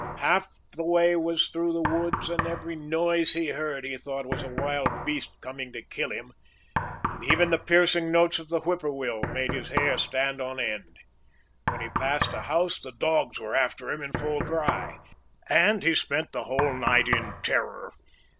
Half the way was through the woods, and every noise he heard he thought was a wild beast coming to kill him, and even the piercing notes of the whippoorwill made his hair stand on end. When he passed a house the dogs were after him in full cry, and he spent the whole night in terror.